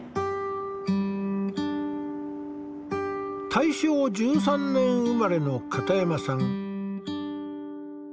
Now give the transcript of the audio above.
大正１３年生まれの片山さん。